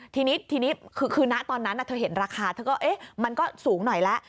ทีนี้ทีนี้คือนะตอนนั้นเธอเห็นราคาเธอก็มันก็สูงหน่อยแล้ว